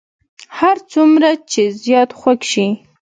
هر څومره چې زیات خوږ شي.